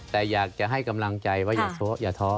แต่อยากจะให้กำลังใจว่าอย่าท้ออย่าท้อ